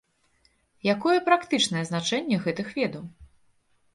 Якое практычнае значэнне гэтых ведаў?